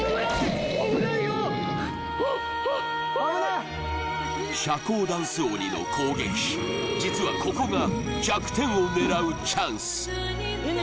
危ないよ危ない社交ダンス鬼の攻撃実はここが弱点を狙うチャンス琳寧